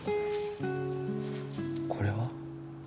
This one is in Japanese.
これは。